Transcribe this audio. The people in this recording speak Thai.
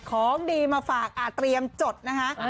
ของดีมาฝากเตรียมจดนะคะ